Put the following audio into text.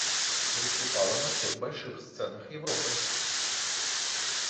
Выступала на всех больших сценах Европы.